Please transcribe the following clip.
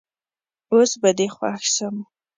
اوس به دي خوښ سم